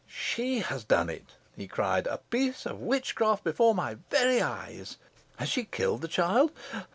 "She has done it," he cried. "A piece of witchcraft before my very eyes. Has she killed the child?